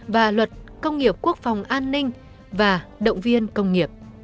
và luật công nghiệp quốc phòng an ninh và động viên công nghiệp